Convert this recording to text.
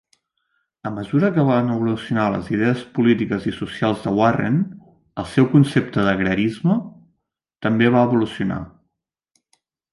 A mesura que van evolucionar les idees polítiques i socials de Warren, el seu concepte d'agrarisme també va evolucionar.